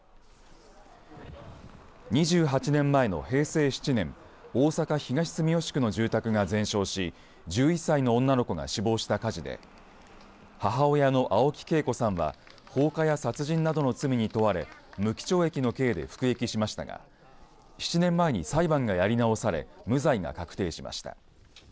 ２８年前の平成７年大阪東住吉区の住宅が全焼し１１歳の女の子が死亡した火事で母親の青木恵子さんは放火や殺人などの罪に問われ無期懲役の刑で服役しましたが７年前に裁判がやり直され無罪が確定しました。